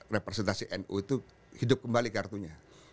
representasi nu itu hidup kembali kartunya